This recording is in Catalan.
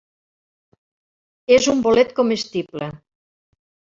És un bolet comestible.